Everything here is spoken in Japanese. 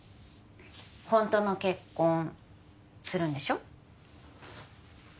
ホントの結婚するんでしょ？